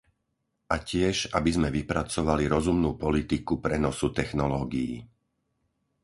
A tiež, aby sme vypracovali rozumnú politiku prenosu technológií.